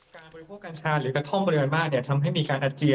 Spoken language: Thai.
การบริษัทหรือกระทั่งบริเวณบ้านจะทำให้มีการอาจเจีย